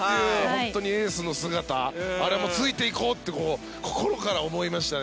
本当にエースの姿あれもついていこうって心から思いましたね。